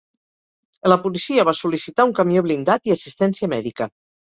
La policia va sol·licitar un camió blindat i assistència mèdica.